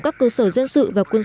các cơ sở dân sự và quân sự của nga